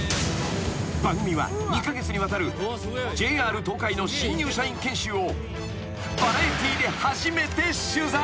［番組は２カ月にわたるＪＲ東海の新入社員研修をバラエティーで初めて取材］